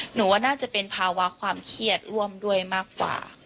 หนูว่าน่าจะเป็นภาวะความเครียดร่วมด้วยมากกว่า